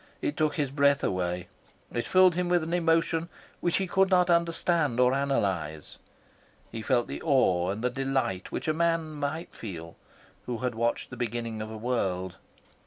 It took his breath away. It filled him with an emotion which he could not understand or analyse. He felt the awe and the delight which a man might feel who watched the beginning of a world.